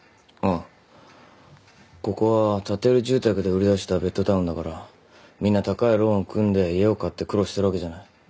ああここは建売住宅で売り出したベッドタウンだからみんな高いローンを組んで家を買って苦労してるわけじゃない？